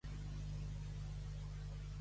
A qui ha apel·lat Rovira?